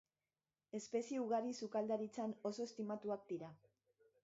Espezie ugari sukaldaritzan oso estimatuak dira.